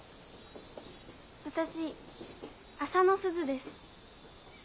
私浅野すずです」